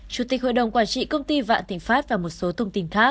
chủ tịch hội đồng quản trị công ty vạn thịnh pháp và một số thông tin khác